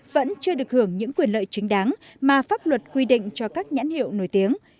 vẫn chưa được hưởng những quyền lợi chính đáng mà pháp luật quy định cho các nhãn hiệu nổi tiếng